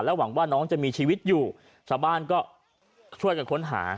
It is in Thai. หวังว่าน้องจะมีชีวิตอยู่ชาวบ้านก็ช่วยกันค้นหา